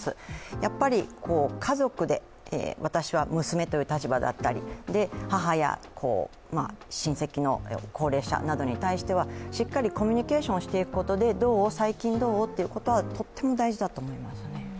やっぱり、家族で私は娘という立場だったり母や親戚の高齢者などに対してはしっかりコミュニケーションしていくことで、最近どう？ということはとっても大事だと思いますね。